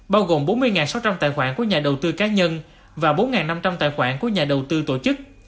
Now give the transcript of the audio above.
bao gồm bốn mươi sáu trăm linh tài khoản của nhà đầu tư cá nhân và bốn năm trăm linh tài khoản của nhà đầu tư tổ chức